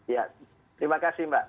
ya terima kasih mbak